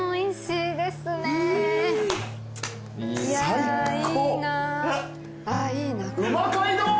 最高！